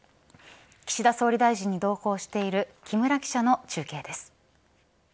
岸田総理に同行している木村記者の中継です。